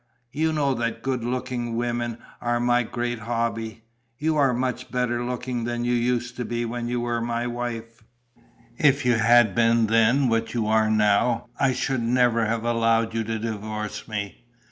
You know that good looking women are my great hobby. You are much better looking than you used to be when you were my wife. If you had been then what you are now, I should never have allowed you to divorce me....